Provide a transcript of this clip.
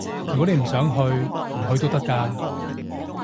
如果你唔想去，唔去都得㗎